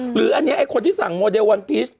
หรืออันนี้ไอ้คนที่สั่งโมเดลวันพีช